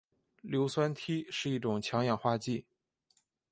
硫酸锑是一种强氧化剂。